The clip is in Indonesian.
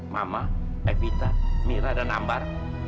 mama evita mira dan ambar